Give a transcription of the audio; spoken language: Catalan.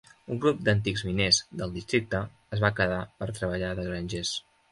Un grup d'antics miners del districte es va quedar per treballar de grangers.